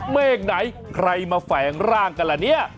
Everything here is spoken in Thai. เมฆไหนใครมาแฝงร่างกันล่ะเนี่ย